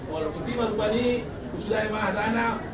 walaukuti masubadi usulain mahatanak